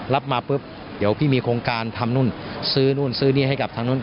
รับมาปุ๊บเดี๋ยวพี่มีโครงการทำนู่นซื้อนู่นซื้อนี่ให้กับทางนู้น